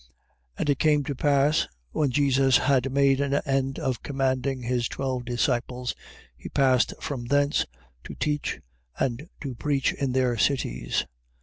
11:1. And it came to pass, when Jesus had made an end of commanding his twelve disciples, he passed from thence, to teach and to preach in their cities.